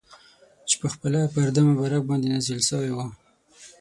چي پخپله پر ده مبارک باندي نازل سوی وو.